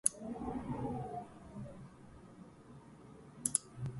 There are many commentaries on Soundrya Lahari written by various authors.